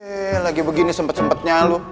hei lagi begini sempet sempetnya lu